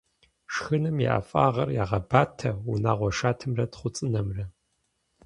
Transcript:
Шхыным и ӏэфагъыр ягъэбатэ унагъуэ шатэмрэ тхъуцӏынэмрэ.